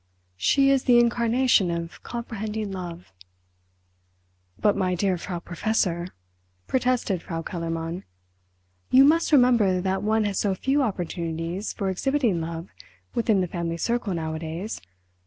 "She is the incarnation of comprehending Love!" "But my dear Frau Professor," protested Frau Kellermann, "you must remember that one has so few opportunities for exhibiting Love within the family circle nowadays.